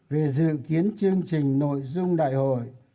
về dự kiến chương trình nội dung đại hội